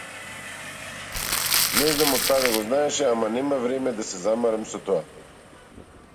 Не знам од каде го знаеше ама немав време да се замарам со тоа.